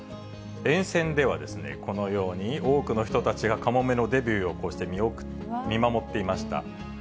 沿線では、このように、多くの人たちがかもめのデビューをこうして見守っていました。